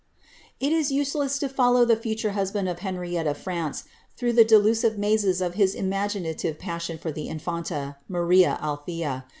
*' It is useless to follow the future husband of Henriette of France through the delusive mazes of his imaginative passion for the infanta, Maria Althea.